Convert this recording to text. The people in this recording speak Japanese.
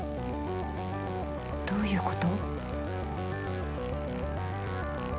どういうこと？